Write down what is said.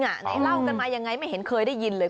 ไหนเล่ากันมายังไงไม่เห็นเคยได้ยินเลย